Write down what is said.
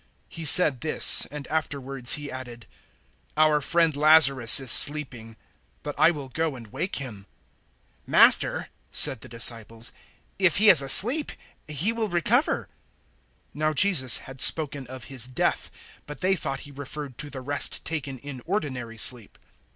011:011 He said this, and afterwards He added, "Our friend Lazarus is sleeping, but I will go and wake him." 011:012 "Master," said the disciples, "if he is asleep he will recover." 011:013 Now Jesus had spoken of his death, but they thought He referred to the rest taken in ordinary sleep.